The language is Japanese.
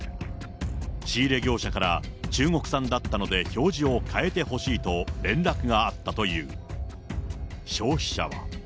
仕入れ業者から中国産だったので、表示を変えてほしいと連絡があったという。